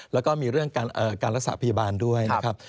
แล้วก็มีเรื่องการรักษาพยาบาลด้วยนะครับ